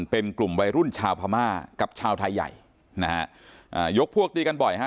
เป็นกลุ่มวัยรุ่นชาวพม่ากับชาวไทยใหญ่นะฮะอ่ายกพวกตีกันบ่อยฮะ